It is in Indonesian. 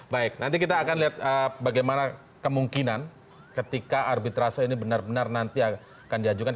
baik nanti kita akan lihat bagaimana kemungkinan ketika arbitrase ini benar benar nanti akan diajukan